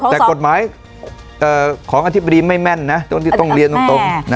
แต่กฎหมายของอธิบดีไม่แม่นนะตรงที่ต้องเรียนตรง